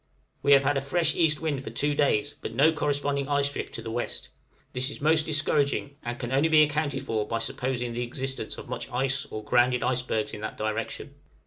We have had a fresh east wind for two days, but no corresponding ice drift to the west; this is most discouraging, and can only be accounted for by supposing the existence of much ice or grounded icebergs in that direction.